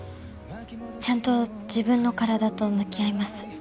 ちゃんと自分の体と向き合います。